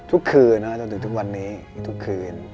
ทุกคืนนะจนถึงทุกวันนี้ทุกคืน